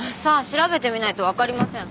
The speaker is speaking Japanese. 調べてみないと分かりません。